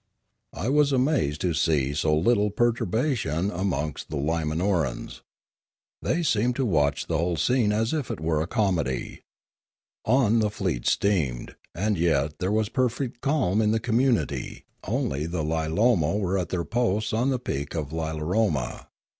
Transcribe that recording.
I was amazed to see so little perturbation amongst the Limanorans. They seemed to watch the whole scene as if it were a comedy. On the fleet steamed, and yet there was perfect calm in the community; only the Lilamo were at their posts on the peak of Lilaroma.